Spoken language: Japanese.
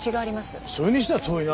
それにしては遠いな。